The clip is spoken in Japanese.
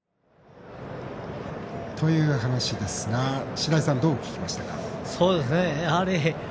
という話ですが白井さん、どう聞きましたか？